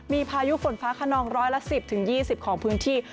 มีพายุฝนฟ้าขนองร้อยละ๑๐๒๐ของพื้นที่